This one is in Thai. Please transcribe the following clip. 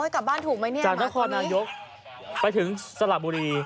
จากนครนายกไปถึงสลับบุรี